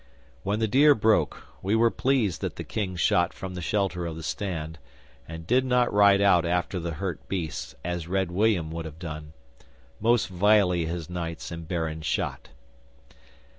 'When the deer broke, we were pleased that the King shot from the shelter of the stand, and did not ride out after the hurt beasts as Red William would have done. Most vilely his knights and barons shot!